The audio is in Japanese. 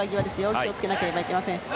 気を付けなければいけません。